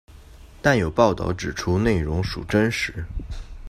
但有报导指出内容属真实。